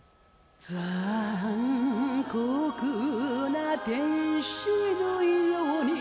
「残酷な天使のように」